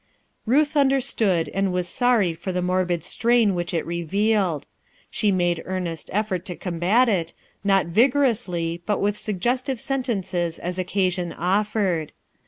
Ruth understood and was sorry f or t , morbid strain which it revealed. She m* earnest effort to combat it f not vigorously but with suggestive sentences as occasion offered.